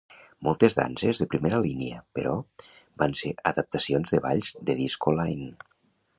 Moltes danses de primera línia, però, van ser adaptacions de balls de disco line.